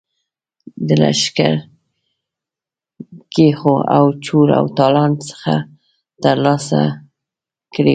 د لښکرکښیو او چور او تالان څخه ترلاسه کړي وه.